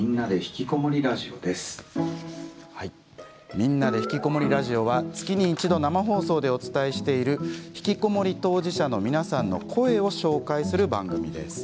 「みんなでひきこもりラジオ」は月に一度生放送でお伝えしているひきこもり当事者の皆さんの声を紹介する番組です。